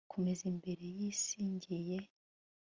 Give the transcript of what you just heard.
Komeza imbere yisi ngiye